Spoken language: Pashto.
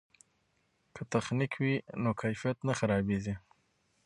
که تخنیک وي نو کیفیت نه خرابیږي.